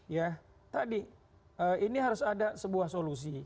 ya tadi ini harus ada sebuah solusi